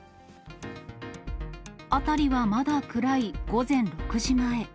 辺りはまだ暗い午前６時前。